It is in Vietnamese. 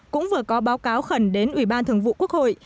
cũng vừa có báo cáo khẩn đến ủy ban thường vụ quốc hội